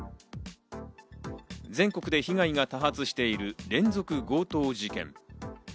全国で被害が多発している連続強盗事件。